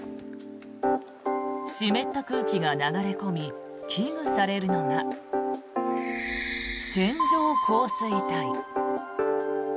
湿った空気が流れ込み危惧されるのが、線状降水帯。